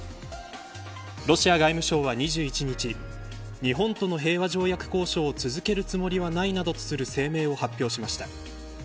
ロシア外務省は２１日日本との平和条約交渉を続けるつもりはないなどとする声明を発表しました。